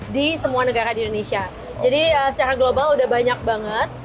di semua negara di indonesia jadi secara global udah banyak banget